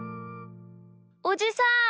おじさん。